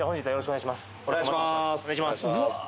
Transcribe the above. お願いします